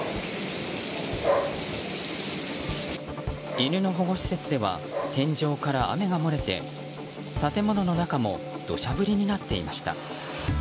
犬の保護施設では天井から雨が漏れて建物の中も土砂降りになっていました。